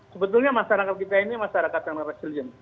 sebetulnya masyarakat kita ini masyarakat yang resilient